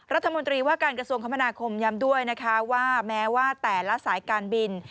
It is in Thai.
รัฐมนตรีว่าการกระทรวงคมนาคมย้ำด้วยนะคะว่าแม้ว่าแต่ละสายการบิน